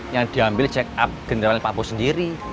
yang diambil check up generasi pak bos sendiri